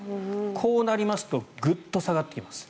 こうなりますとグッと下がってきます。